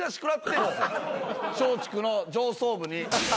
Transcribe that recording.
松竹の上層部に。